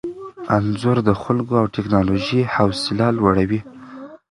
انځور د خلکو او ټیکنالوژۍ حوصله لوړوي.